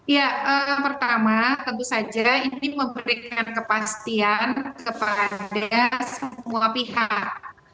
ya pertama tentu saja ini memberikan kepastian kepada semua pihak